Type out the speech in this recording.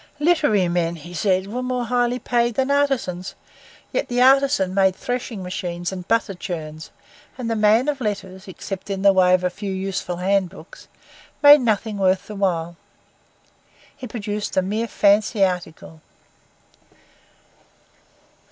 Literary men, he said, were more highly paid than artisans; yet the artisan made threshing machines and butter churns, and the man of letters, except in the way of a few useful handbooks, made nothing worth the while. He produced a mere fancy article.